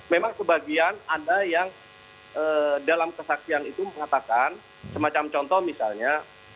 memang sebagian ada yang dalam kesaksian itu mengatakan semacam contoh misalnya